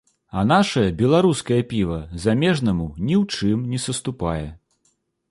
А нашае, беларускае піва, замежнаму ні ў чым не саступае.